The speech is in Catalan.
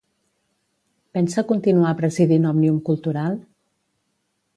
Pensa continuar presidint Òmnium Cultural?